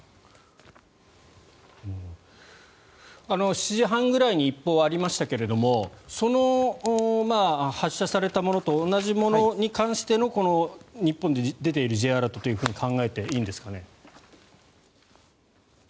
７時半くらいに一報がありましたがその発射されたものと同じものに関してのこの日本で出ているＪアラートと考えていいんですかね。